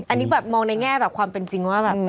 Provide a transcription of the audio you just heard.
อันนี้แบบมองในแง่แบบความเป็นจริงว่าแบบ